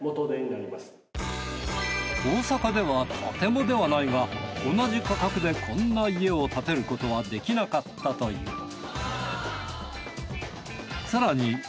大阪ではとてもではないが同じ価格でこんな家を建てることはできなかったという。